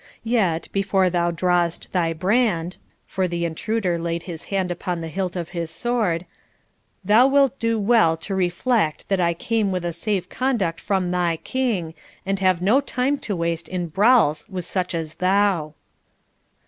Yet, before thou drawest thy brand (for the intruder laid his hand upon the hilt of his sword), thou wilt do well to reflect that I came with a safe conduct from thy king, and have no time to waste in brawls with such as thou.'